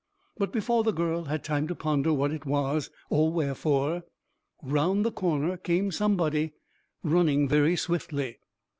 But before the girl had time to ponder what it was, or wherefore, round the corner came somebody, running very swiftly.